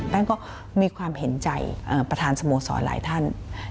ท่านก็มีความเห็นใจประธานสโมสรหลายท่าน